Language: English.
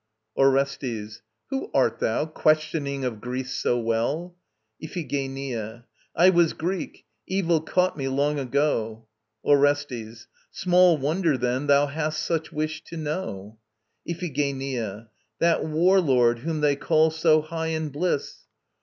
ORESTES. Who art thou, questioning of Greece so well? IPHIGENIA. I was Greek. Evil caught me long ago. ORESTES. Small wonder, then, thou hast such wish to know. IPHIGENIA. That war lord, whom they call so high in bliss...